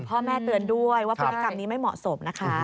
พ่อแม่เตือนด้วยว่าพฤติกรรมนี้ไม่เหมาะสมนะคะ